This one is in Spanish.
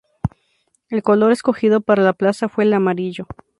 El color escogido para la plaza fue el amarillo.